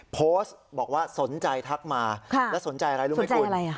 โพสต์บอกว่าสนใจทักมาแล้วสนใจอะไรรู้ไหมคุณ